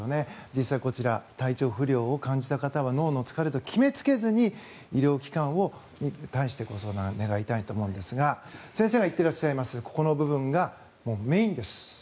実際にこちら体調不良を感じた方は脳の疲れと決めつけずに医療機関に対してご相談願いたいと思うんですが先生が言ってらっしゃいますがこの部分がメインです。